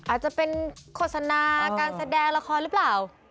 อาจจะเป็นโฆษณาการแสดงละครหรือเปล่า